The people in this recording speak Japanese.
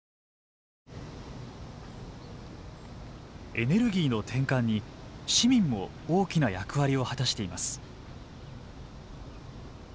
エネルギーの転換に市民も大きな役割を果たしています。